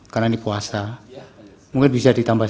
karena ini puasa makanya bisa ditambah satu